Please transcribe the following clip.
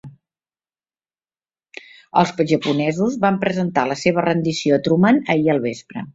Els japonesos van presentar la seva rendició a Truman ahir al vespre.